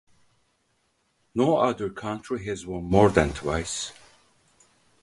No other country has won more than twice.